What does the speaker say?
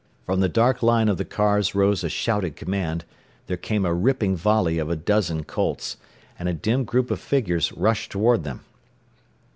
] From the dark line of the cars rose a shouted command, there came a ripping volley of a dozen Colts, and a dim group of figures rushed toward them.